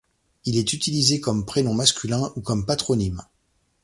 Il est utilisé comme prénom masculin ou comme patronyme.